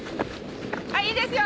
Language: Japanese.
いいですよ